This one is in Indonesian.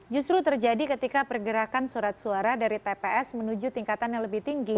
justru terjadi ketika pergerakan surat suara dari tps menuju tingkatan yang lebih tinggi